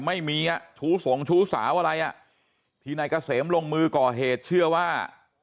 ไม่มีอ่ะชู้สงชู้สาวอะไรอ่ะที่นายเกษมลงมือก่อเหตุเชื่อว่า